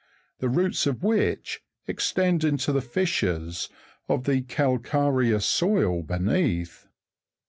225), the roots "of which extend into the fissures of the calca reous soil beneath.